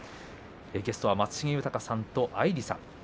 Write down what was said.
ゲストは松重豊さんとアイリさんです。